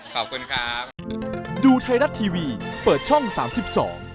ครับขอบคุณครับ